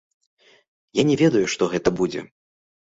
Я не ведаю, што гэта будзе?